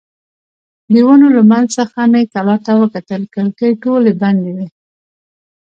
د ونو له منځ څخه مې کلا ته وکتل، کړکۍ ټولې بندې وې.